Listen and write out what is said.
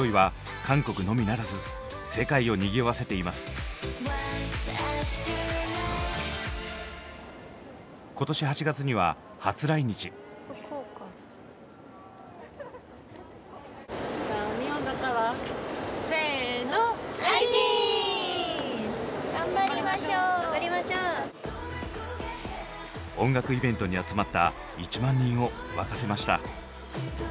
音楽イベントに集まった１万人を沸かせました。